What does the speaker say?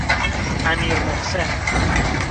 امیرمحسن